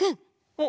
あ